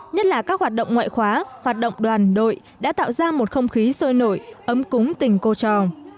nhất là các hoạt động ngoại khóa hoạt động đoàn đội đã tạo ra một không khí sôi nổi ấm cúng tình cô trò